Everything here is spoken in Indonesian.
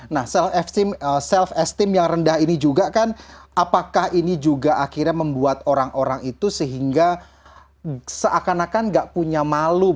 nah self esteem yang rendah ini juga kan apakah ini juga akhirnya membuat orang orang itu sehingga seakan akan gak punya malu